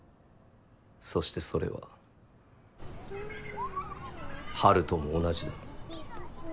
そしてそれは陽斗も同じだ。